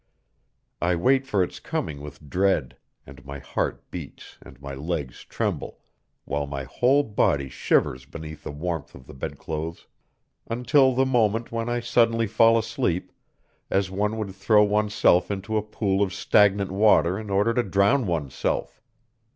I wait for its coming with dread, and my heart beats and my legs tremble, while my whole body shivers beneath the warmth of the bedclothes, until the moment when I suddenly fall asleep, as one would throw oneself into a pool of stagnant water in order to drown oneself.